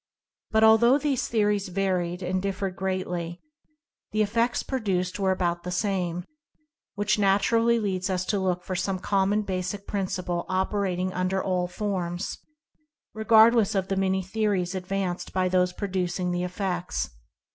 But although these theories varied and differed greatly, the effects pro duced were about the same, which naturally leads us to look for some common basic principle operating under all the forms, regardless of the many theories What is " Mental Fascination "? 9 advanced by those producing the effects.